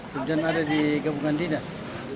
kemudian ada di gabungan dinas